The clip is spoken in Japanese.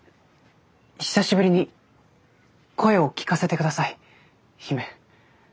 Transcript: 久しぶりに声を聞かせて下さい姫。